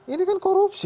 ini kan korupsi